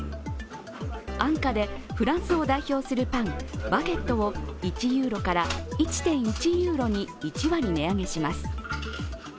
安価でフランスを代表するパン、バゲットを１ユーロから１．１ユーロに１割値上げします。